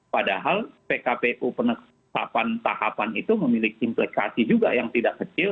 padahal pkpu penetapan tahapan itu memiliki implikasi juga yang tidak kecil